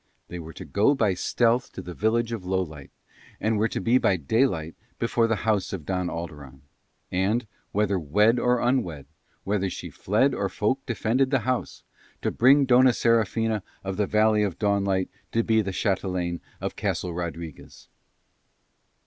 They were to go by stealth to the village of Lowlight, and were to be by daylight before the house of Don Alderon; and, whether wed or unwed, whether she fled or folk defended the house, to bring Dona Serafina of the Valley of Dawnlight to be the chatelaine of Castle Rodriguez.